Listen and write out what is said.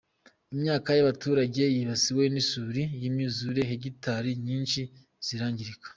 Imyaka y’abaturage yibasiwe n’isuri n’imyuzure hegitari nyinshi zirangirika.